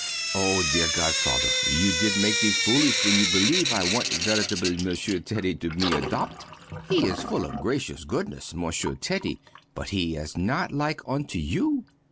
Oh dear godfather, you did make the foolish when you believe I want veritably monsieur Teddy to me adopt! He is full of gracious goodness, Monsieur Teddy, but he is not like unto you.